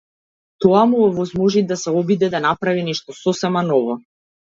Тоа му овозможи да се обиде да направи нешто сосема ново.